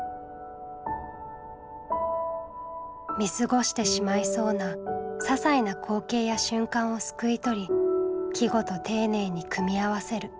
見過ごしてしまいそうなささいな光景や瞬間をすくい取り季語と丁寧に組み合わせる。